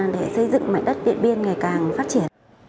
để xây dựng mảnh đất điện biên ngày càng phát triển